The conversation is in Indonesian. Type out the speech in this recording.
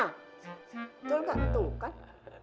betul gak tuh kan